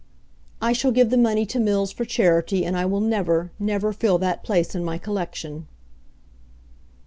I shall give the money to Mills for charity and I will never never fill that place in my collection."